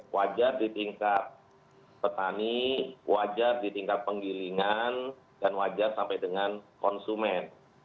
wajar di tingkat petani wajar di tingkat penggilingan dan wajar sampai dengan konsumen